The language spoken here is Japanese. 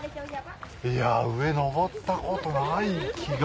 いや上登ったことない気が。